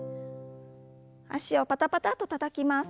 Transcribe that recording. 脚をパタパタとたたきます。